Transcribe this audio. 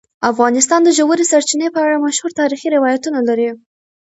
افغانستان د ژورې سرچینې په اړه مشهور تاریخی روایتونه لري.